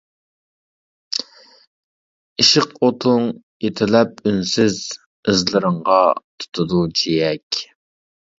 ئىشق ئوتۇڭ يېتىلەپ ئۈنسىز، ئىزلىرىڭغا تۇتىدۇ جىيەك.